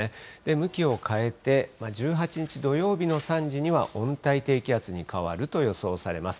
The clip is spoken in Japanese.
向きを変えて、１８日土曜日の３時には温帯低気圧に変わると予想されます。